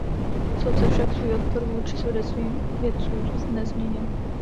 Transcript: Soudce však svůj odpor vůči svědectvím vědců nezměnil.